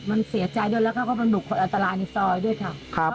มันเสียใจในเดียวกับกมาบุกคนอัตราในซอยด้วยครับครับ